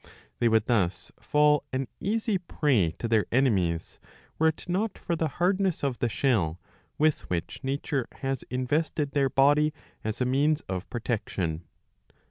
They would thus fall an easy prey to their enemies, were it not for the hardness of the shell with which nature has invested their body as a means of protection.